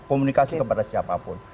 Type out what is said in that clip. komunikasi kepada siapapun